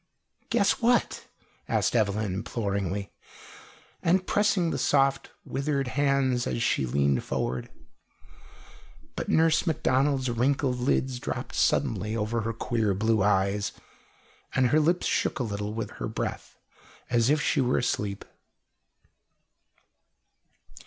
"Guess what?" asked Evelyn imploringly, and pressing the soft withered hands, as she leaned forward. But Nurse Macdonald's wrinkled lids dropped suddenly over her queer blue eyes, and her lips shook a little with her breath, as if she were asleep.